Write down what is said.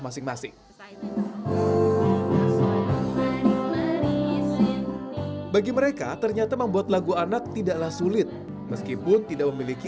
masing masing bagi mereka ternyata membuat lagu anak tidaklah sulit meskipun tidak memiliki